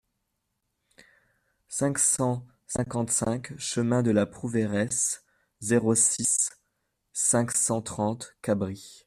cinq cent cinquante-cinq chemin de la Prouveiresse, zéro six, cinq cent trente, Cabris